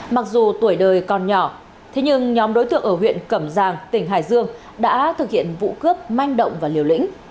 mặc dù tuổi đời còn nhỏ thế nhưng nhóm đối tượng ở huyện cẩm giang tỉnh hải dương đã thực hiện vụ cướp manh động và liều lĩnh